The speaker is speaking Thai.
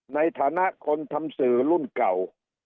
ในฐานะคนทำสื่อรุ่นเก่า